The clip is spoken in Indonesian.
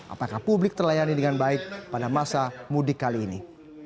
apakah publik terlayani dengan baik pada masa mudik kali ini